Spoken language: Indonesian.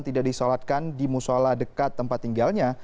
tidak disolatkan di musola dekat tempat tinggalnya